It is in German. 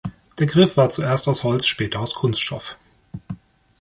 Der Griff war zuerst aus Holz, später aus Kunststoff.